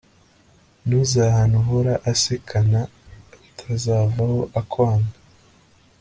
ntuzahane uhora asekana, atazavaho akwanga